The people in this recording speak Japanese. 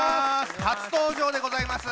初登場でございます！